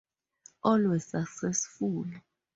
All were successful.